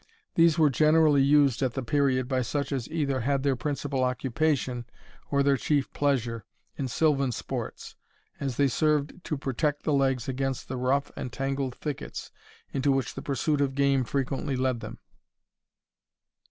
These were generally used at the period by such as either had their principal occupation, or their chief pleasure, in silvan sports, as they served to protect the legs against the rough and tangled thickets into which the pursuit of game frequently led them.